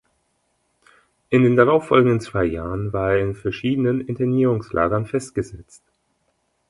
In den darauffolgenden zwei Jahren war er in verschiedenen Internierungslagern festgesetzt.